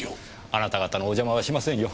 あなた方のお邪魔はしませんよ。